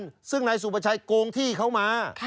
มีการกงแผนของประชัยโกงที่เขาม่า